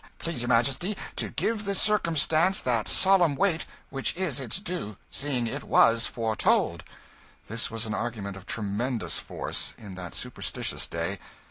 Please your Majesty to give the circumstance that solemn weight which is its due, seeing it was foretold." This was an argument of tremendous force in that superstitious day.